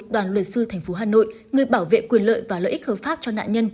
đoàn luật sư thành phố hà nội người bảo vệ quyền lợi và lợi ích hợp pháp cho nạn nhân